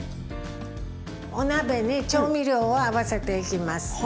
お鍋に調味料を合わせていきます。